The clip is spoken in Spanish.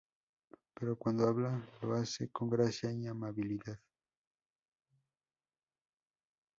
Pero cuando habla, lo hace con gracia y amabilidad".